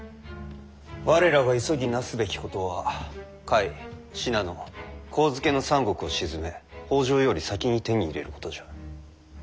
我らが急ぎなすべきことは甲斐信濃上野の三国を鎮め北条より先に手に入れることじゃ。